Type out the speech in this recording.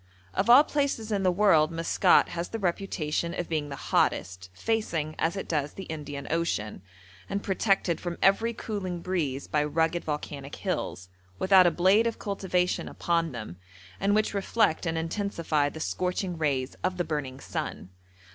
Of all places in the world Maskat has the reputation of being the hottest, facing, as it does, the Indian Ocean, and protected from every cooling breeze by rugged volcanic hills, without a blade of cultivation upon them, and which reflect and intensify the scorching rays of the burning sun.